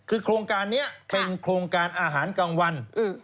คือโครงการนี้เป็นโครงการอาหารกลางวัน